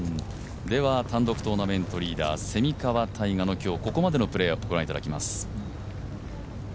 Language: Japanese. では単独トーナメントリーダー蝉川泰果の今日のここまでのプレーをご覧いただきます。